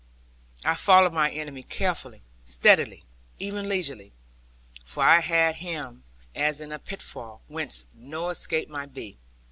I followed my enemy carefully, steadily, even leisurely; for I had him, as in a pitfall, whence no escape might be.